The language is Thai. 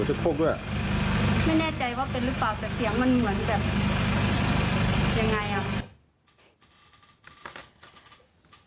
ตกธก็ด้วยไม่แน่ใจว่าเป็นรึเปล่าแต่เสียงมันเหมือนแบบอย่างไรอ่ะ